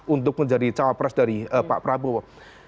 untuk menjadi cawapres dari pak prabowo